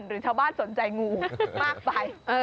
หรือชาวบ้านสนใจงูมากไป